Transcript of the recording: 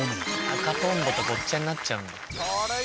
「赤とんぼ」とごっちゃになっちゃうんだ。